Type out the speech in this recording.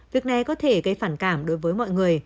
việc này có thể gây phản cảm đối với mọi người